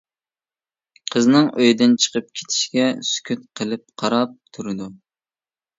قىزىنىڭ ئۆيدىن چىقىپ كېتىشىگە سۈكۈت قىلىپ قاراپ تۇرىدۇ.